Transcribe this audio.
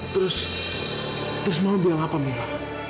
terus terus mau bilang apa camilla